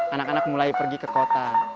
anak anak mulai pergi ke kota